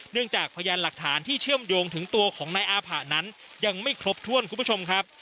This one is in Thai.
จากพยานหลักฐานที่เชื่อมโยงถึงตัวของนายอาผะนั้นยังไม่ครบถ้วนคุณผู้ชมครับ